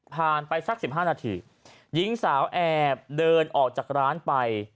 ไปสัก๑๕นาทีหญิงสาวแอบเดินออกจากร้านไป